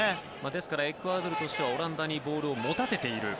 ですからエクアドルとしては、オランダにボールを持たせている。